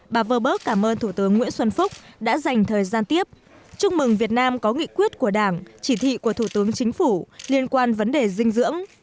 bà vơ bớt cảm ơn thủ tướng nguyễn xuân phúc đã dành thời gian tiếp chúc mừng việt nam có nghị quyết của đảng chỉ thị của thủ tướng chính phủ liên quan vấn đề dinh dưỡng